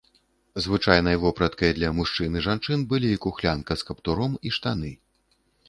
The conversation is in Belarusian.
Звычайнай вопраткай для мужчын і жанчын былі кухлянка з каптуром і штаны.